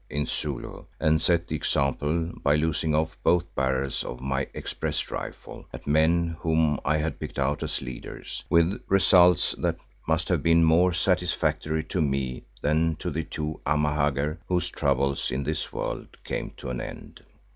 in Zulu, and set the example by loosing off both barrels of my express rifle at men whom I had picked out as leaders, with results that must have been more satisfactory to me than to the two Amahagger whose troubles in this world came to an end.